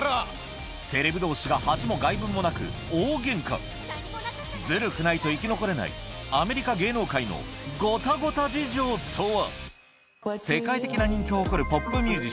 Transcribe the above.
セレブ同士が恥も外聞もなくズルくないと生き残れないアメリカ芸能界のゴタゴタ事情とは？